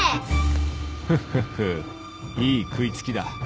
フッフッフいい食い付きだ